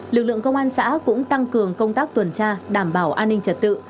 lực lượng công an xã cũng tăng cường công tác tuần tra đảm bảo an ninh trật tự